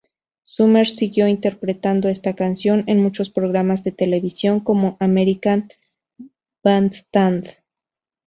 Summer siguió interpretando esta canción en muchos programas de televisión como "American Bandstand".